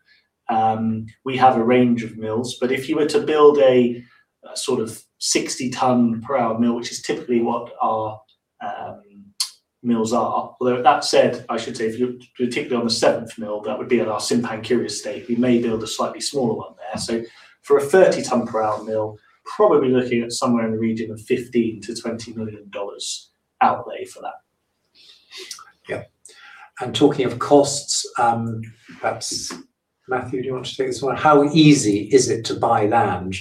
D: We have a range of mills, but if you were to build a sort of 60-ton-per-hour mill, which is typically what our mills are. Although that said, I should say if you're particularly on the seventh mill, that would be at our Simpang Kiri estate, we may build a slightly smaller one there. For a 30-ton-per-hour mill, probably looking at somewhere in the region of $15 million-$20 million outlay for that.
B: Yeah. Talking of costs, perhaps Matthew, do you want to take this one? How easy is it to buy land?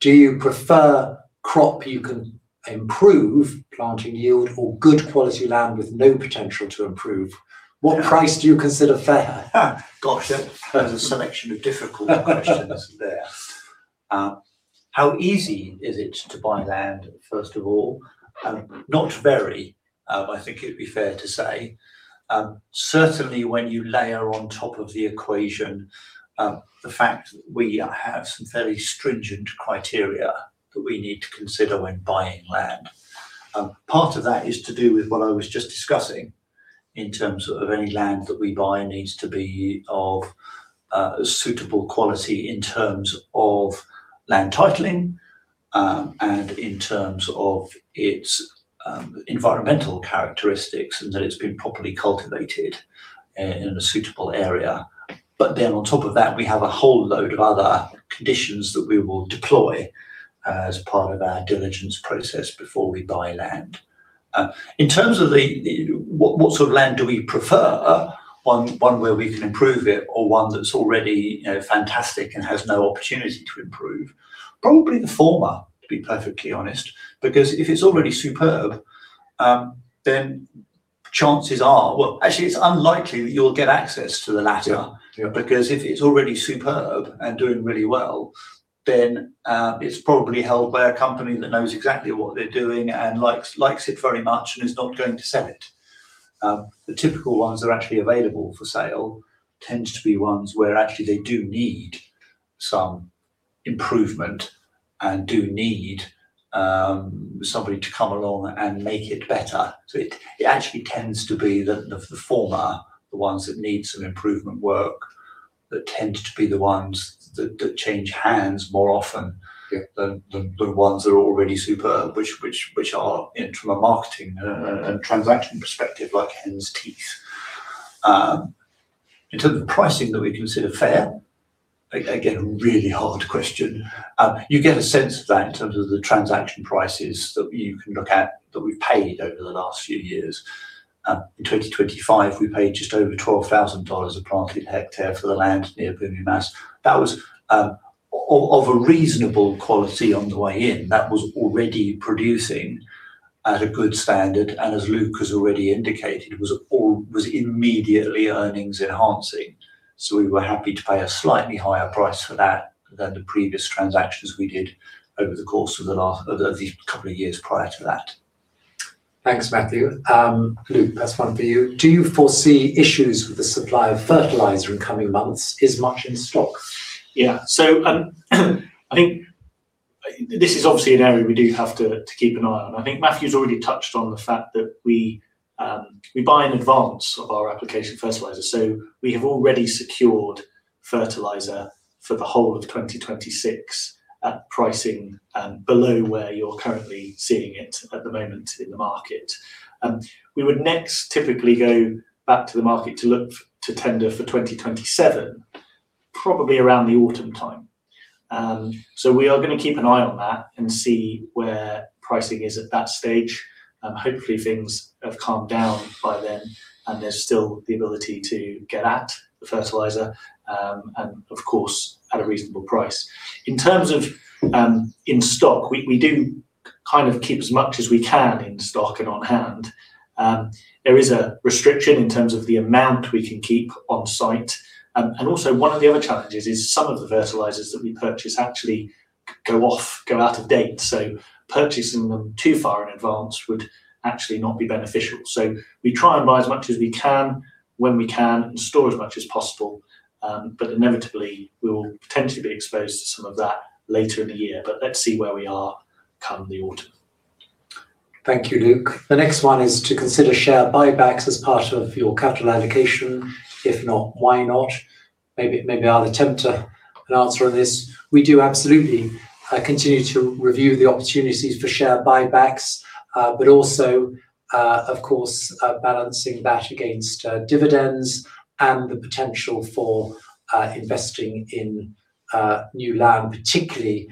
B: Do you prefer crop you can improve planting yield or good quality land with no potential to improve?
C: Yeah.
B: What price do you consider fair?
C: Gosh, there's a selection of difficult questions there. How easy is it to buy land, first of all? Not very, I think it would be fair to say. Certainly when you layer on top of the equation, the fact that we have some fairly stringent criteria that we need to consider when buying land. Part of that is to do with what I was just discussing in terms of any land that we buy needs to be of a suitable quality in terms of land titling, and in terms of its environmental characteristics and that it's been properly cultivated in a suitable area. On top of that, we have a whole load of other conditions that we will deploy as part of our diligence process before we buy land. In terms of what sort of land do we prefer? One where we can improve it or one that's already, you know, fantastic and has no opportunity to improve. Probably the former, to be perfectly honest. Because if it's already superb, then chances are well, actually it's unlikely that you'll get access to the latter.
B: Yeah.
C: Because if it's already superb and doing really well, then it's probably held by a company that knows exactly what they're doing and likes it very much and is not going to sell it. The typical ones that are actually available for sale tends to be ones where actually they do need some improvement and somebody to come along and make it better. It actually tends to be the former, the ones that need some improvement work, that tend to be the ones that change hands more often.
B: Yeah.
C: Than the ones that are already superb, which are in from a marketing and transaction perspective, like hen's teeth. In terms of the pricing that we consider fair, again, a really hard question. You get a sense of that in terms of the transaction prices that you can look at that we've paid over the last few years. In 2025 we paid just over $12,000 a planted hectare for the land near Bumi Mas. That was of a reasonable quality on the way in. That was already producing at a good standard, and as Luke has already indicated, was immediately earnings enhancing. We were happy to pay a slightly higher price for that than the previous transactions we did over the course of the last couple of years prior to that.
B: Thanks, Matthew. Luke, next one for you. Do you foresee issues with the supply of fertilizer in coming months? Is there much in stock?
D: Yeah. I think this is obviously an area we do have to keep an eye on. I think Matthew's already touched on the fact that we buy in advance of our application of fertilizer. We have already secured fertilizer for the whole of 2026 at pricing below where you're currently seeing it at the moment in the market. We would next typically go back to the market to tender for 2027, probably around the autumn time. We are gonna keep an eye on that and see where pricing is at that stage. Hopefully things have calmed down by then, and there's still the ability to get at the fertilizer, and of course at a reasonable price. In terms of in stock, we do kind of keep as much as we can in stock and on hand. There is a restriction in terms of the amount we can keep on site. Also one of the other challenges is some of the fertilizers that we purchase actually go out of date. Purchasing them too far in advance would actually not be beneficial. We try and buy as much as we can when we can and store as much as possible. Inevitably we will potentially be exposed to some of that later in the year. Let's see where we are come the autumn.
B: Thank you, Luke. The next one is to consider share buybacks as part of your capital allocation. If not, why not? Maybe I'll attempt an answer on this. We do absolutely continue to review the opportunities for share buybacks. Also, of course, balancing that against dividends and the potential for investing in new land, particularly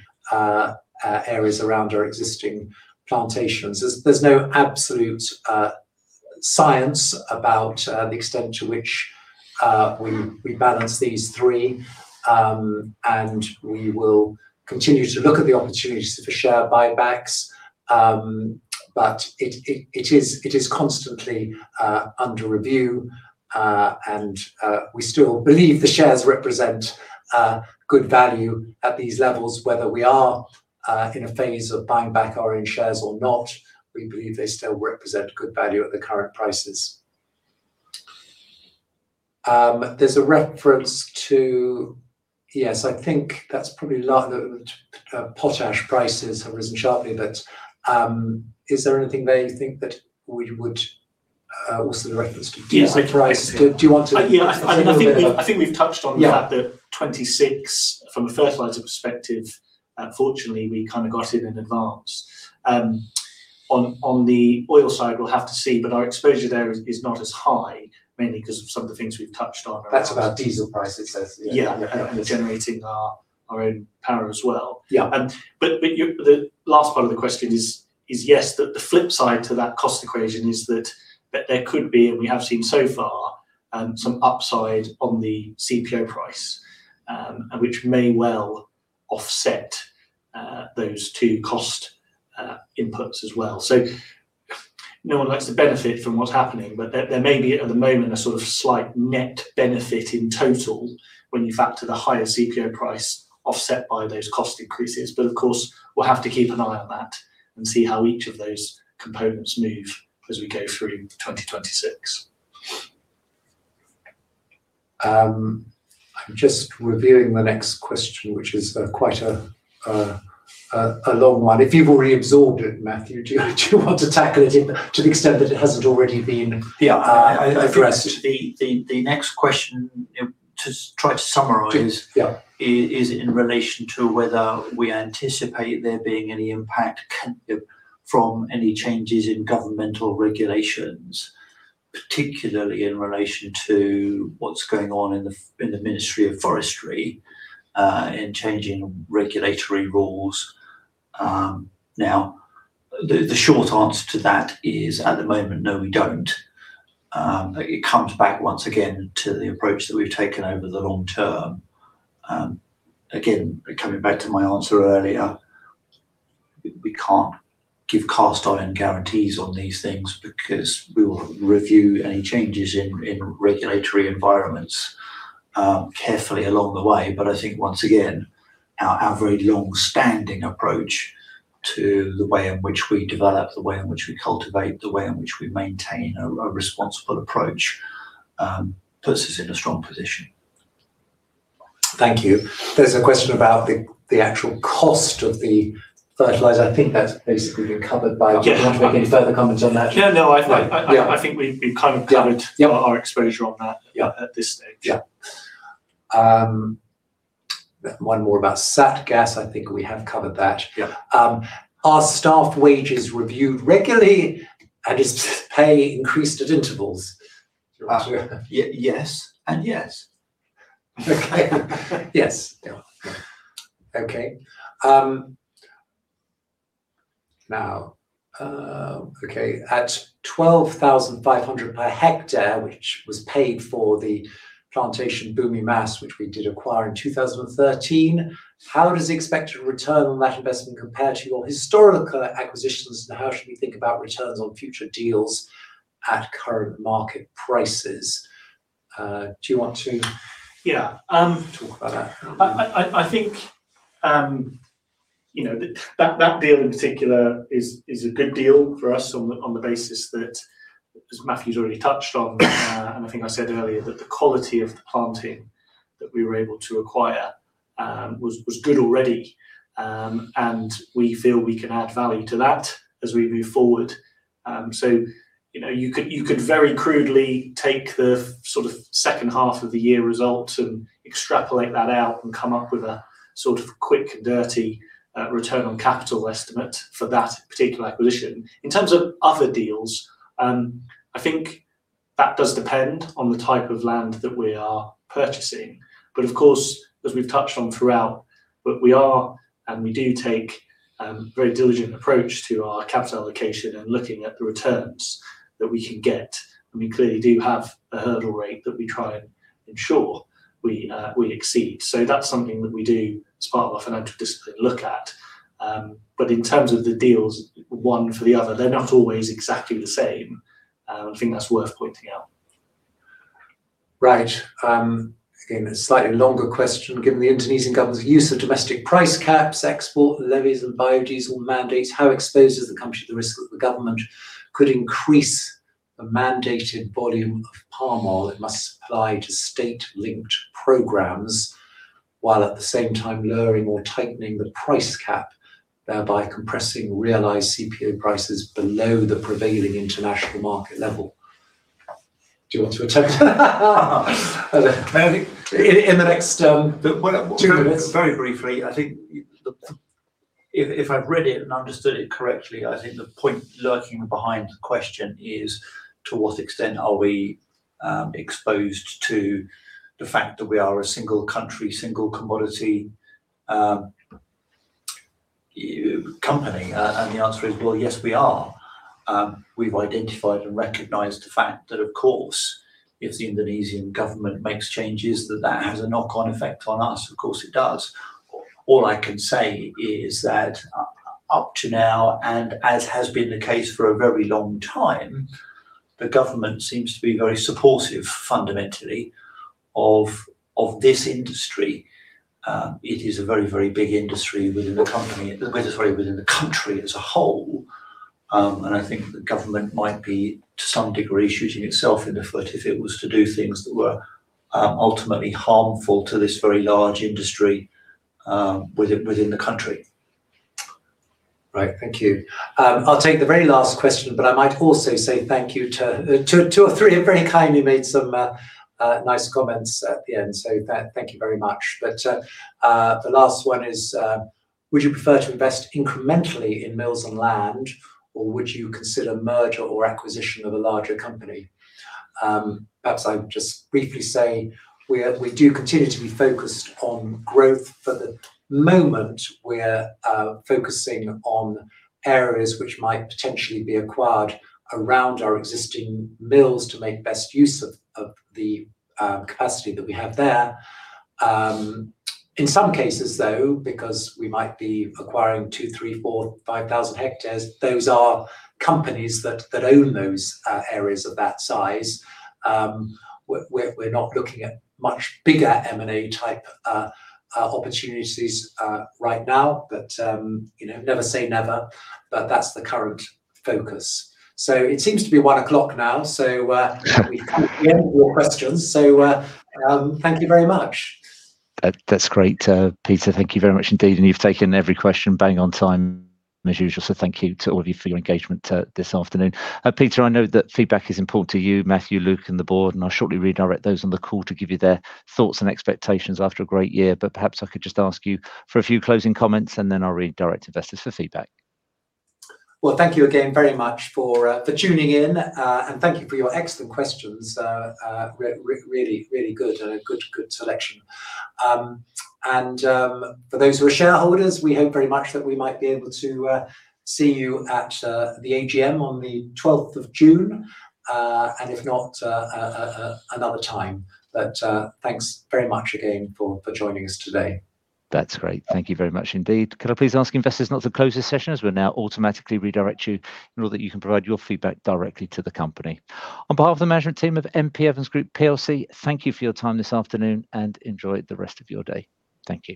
B: areas around our existing plantations. There's no absolute science about the extent to which we balance these three. We will continue to look at the opportunities for share buybacks. It is constantly under review. We still believe the shares represent good value at these levels, whether we are in a phase of buying back our own shares or not. We believe they still represent good value at the current prices. There's a reference to. Yes, I think that's probably the potash prices have risen sharply. That is there anything there you think that we would. What's the reference to diesel price?
D: Yeah.
B: Do you want to?
D: Yeah. I think we've touched on the fact that 2026 from a fertilizer perspective, fortunately we kind of got in in advance. On the oil side we'll have to see, but our exposure there is not as high mainly 'cause of some of the things we've touched on around.
B: That's about diesel prices as, yeah.
D: Yeah. Generating our own power as well.
B: Yeah.
D: The last part of the question is yes, the flip side to that cost equation is that there could be, and we have seen so far, some upside on the CPO price, and which may well offset those two cost inputs as well. No one likes to benefit from what's happening, but there may be at the moment a sort of slight net benefit in total when you factor the higher CPO price offset by those cost increases. Of course, we'll have to keep an eye on that and see how each of those components move as we go through 2026.
B: I'm just reviewing the next question, which is quite a long one. If you've already absorbed it, Matthew, do you want to tackle it to the extent that it hasn't already been-
C: Yeah.
B: addressed?
C: I think the next question to try to summarize.
B: Yeah.
C: It is in relation to whether we anticipate there being any impact from any changes in governmental regulations, particularly in relation to what's going on in the Ministry of Forestry, in changing regulatory rules, now. The short answer to that is at the moment, no, we don't. It comes back once again to the approach that we've taken over the long term. Again, coming back to my answer earlier, we can't give cast iron guarantees on these things because we will review any changes in regulatory environments carefully along the way. I think once again, our very long-standing approach to the way in which we develop, the way in which we cultivate, the way in which we maintain a responsible approach puts us in a strong position.
B: Thank you. There's a question about the actual cost of the fertilizer. I think that's basically been covered by.
C: Yeah.
B: Do you want to make any further comments on that?
D: Yeah, no.
B: Yeah.
D: I think we've kind of covered our exposure on that at this stage.
B: Yeah. One more about Satgas. I think we have covered that.
C: Yeah.
B: Are staff wages reviewed regularly and is pay increased at intervals?
C: Yes and yes.
B: Okay. Yes. At $12,500 per hectare, which was paid for the plantation Bumi Mas, which we did acquire in 2013, how does the expected return on that investment compare to your historical acquisitions, and how should we think about returns on future deals at current market prices? Do you want to talk about that?
D: I think you know that deal in particular is a good deal for us on the basis that, as Matthew's already touched on and I think I said earlier, that the quality of the planting that we were able to acquire was good already. We feel we can add value to that as we move forward. You know, you could very crudely take the sort of second half of the year result and extrapolate that out and come up with a sort of quick, dirty return on capital estimate for that particular acquisition. In terms of other deals, I think that does depend on the type of land that we are purchasing. Of course, as we've touched on throughout, we are and we do take a very diligent approach to our capital allocation and looking at the returns that we can get, and we clearly do have a hurdle rate that we try and ensure we exceed. That's something that we do as part of our financial discipline look at. In terms of the deals, one for the other, they're not always exactly the same. I think that's worth pointing out.
B: Right. Again, a slightly longer question. Given the Indonesian government's use of domestic price caps, export levies and biodiesel mandates, how exposed is the company to the risk that the government could increase the mandated volume of palm oil it must supply to state-linked programs, while at the same time lowering or tightening the price cap, thereby compressing realized CPO prices below the prevailing international market level? Do you want to attempt that?
C: I think in the next two minutes. Very briefly, I think if I've read it and understood it correctly, I think the point lurking behind the question is to what extent are we exposed to the fact that we are a single country, single commodity company? The answer is, well, yes, we are. We've identified and recognized the fact that of course, if the Indonesian government makes changes, that has a knock-on effect on us. Of course it does. All I can say is that up to now, and as has been the case for a very long time, the government seems to be very supportive fundamentally of this industry. It is a very, very big industry within the country as a whole. I think the government might be to some degree shooting itself in the foot if it was to do things that were ultimately harmful to this very large industry within the country.
B: Right. Thank you. I'll take the very last question, but I might also say thank you to two or three who have very kindly made some nice comments at the end. Thank you very much. The last one is, would you prefer to invest incrementally in mills and land, or would you consider merger or acquisition of a larger company? Perhaps I'd just briefly say we do continue to be focused on growth. For the moment, we're focusing on areas which might potentially be acquired around our existing mills to make best use of the capacity that we have there. In some cases, though, because we might be acquiring two, three, four, five thousand hectares, those are companies that own those areas of that size. We're not looking at much bigger M&A type opportunities right now. You know, never say never, but that's the current focus. It seems to be 1:00 P.M. now. We've come to the end of your questions. Thank you very much.
A: That's great. Peter, thank you very much indeed, and you've taken every question bang on time as usual. Thank you to all of you for your engagement, this afternoon. Peter, I know that feedback is important to you, Matthew, Luke, and the board, and I'll shortly redirect those on the call to give you their thoughts and expectations after a great year. Perhaps I could just ask you for a few closing comments, and then I'll redirect investors for feedback.
B: Well, thank you again very much for tuning in and thank you for your excellent questions. Really good, a good selection. For those who are shareholders, we hope very much that we might be able to see you at the AGM on the 12th of June. If not, another time. Thanks very much again for joining us today.
A: That's great. Thank you very much indeed. Could I please ask investors now to close this session as we'll now automatically redirect you in order that you can provide your feedback directly to the company. On behalf of the management team of M.P. Evans Group PLC, thank you for your time this afternoon, and enjoy the rest of your day. Thank you.